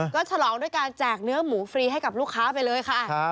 ก็ฉลองด้วยการแจกเนื้อหมูฟรีให้กับลูกค้าไปเลยค่ะ